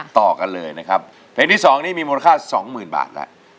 ต่อกันเลยนะครับเพลงที่๒นี้มีมูลค่าสองหมื่นบาทแล้ว